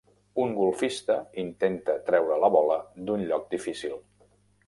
Un golfista intenta treure la bola d'un lloc difícil.